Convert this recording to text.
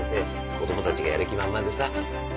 子供たちがやる気満々でさ。